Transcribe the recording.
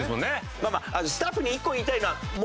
まあまあスタッフに１個言いたいのはハハハハ！